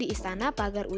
selamat pagi pak